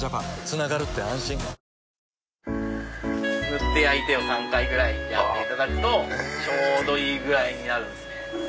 塗って焼いてを３回ぐらいやっていただくとちょうどいい具合になるんですね。